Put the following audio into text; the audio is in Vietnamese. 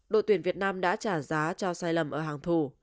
đội tuyển việt nam đã trả giá cho sai lầm ở hàng thủ